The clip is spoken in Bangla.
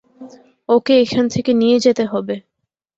ওকে এখান থেকে নিয়ে যেতে হবে!